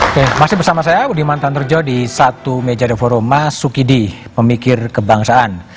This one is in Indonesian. oke masih bersama saya budiman tandurjo di satu meja deforo mas sukidi pemikir kebangsaan